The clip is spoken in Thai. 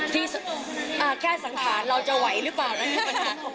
ที่แค่สังขารเราจะไหวหรือเปล่านะมีปัญหา